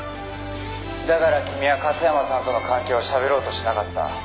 「だから君は勝山さんとの関係をしゃべろうとしなかった」